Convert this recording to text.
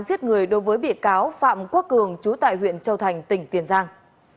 giết người đối với bị cáo phạm quốc cường trú tại huyện châu thành tỉnh tiền giang